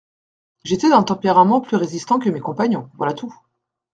J’étais d’un tempérament plus résistant que mes compagnons, voilà tout.